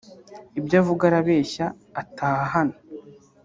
ibyo avuga arabeshya ataha hano